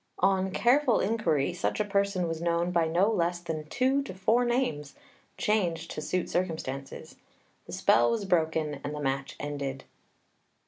On careful inquiry such a person was known by no less than two to four names, changed to suit circumstances. The spell was broken, the match ended.